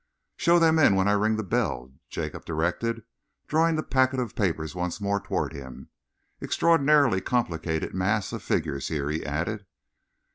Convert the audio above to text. "Show them in when I ring the bell," Jacob directed, drawing the packet of papers once more towards him. "Extraordinarily complicated mass of figures here," he added.